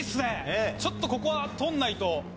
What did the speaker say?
ちょっとここは取んないと。